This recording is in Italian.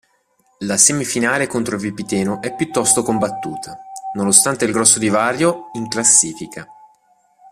La semifinale contro il Vipiteno è piuttosto combattuta, nonostante il grosso divario in classifica.